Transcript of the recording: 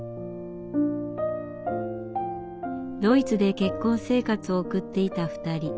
ドイツで結婚生活を送っていた２人。